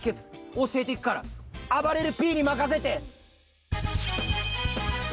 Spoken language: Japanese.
おしえていくからあばれるＰにまかせて！